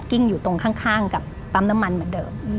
อยู่ตรงข้างกับปั๊มน้ำมันเหมือนเดิม